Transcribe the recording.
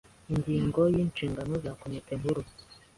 Ingingo ya Inshingano za Komite Nkuru